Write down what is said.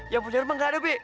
yang punya rumah gak ada be